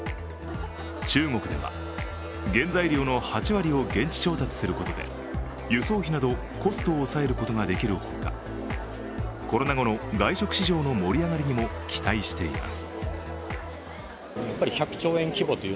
中国では原材料の８割を現地調達することで輸送費などコストを抑えることができるほかコロナ後の外食市場の盛り上がりにも期待しています。